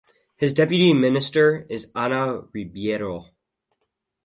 His Deputy Minister is Ana Ribeiro.